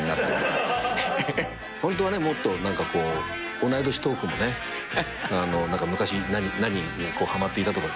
ホントはねもっと同い年トークもね昔何にはまっていたとか。